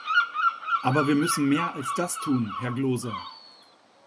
Aber wir müssen mehr als das tun, Herr Gloser.